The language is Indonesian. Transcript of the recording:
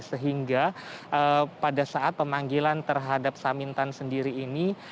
sehingga pada saat pemanggilan terhadap samintan sendiri ini